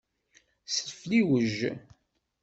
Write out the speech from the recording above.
Sefliwej.